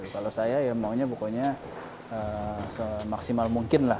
kalau saya ya maunya pokoknya semaksimal mungkin lah